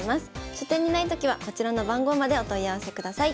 書店にないときはこちらの番号までお問い合わせください。